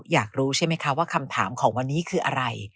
อยากรู้ใช่ไหมคะว่าคำถามของวันนี้คืออะไร